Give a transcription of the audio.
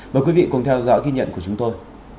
mời quý vị cùng theo dõi ghi nhận của chúng tôi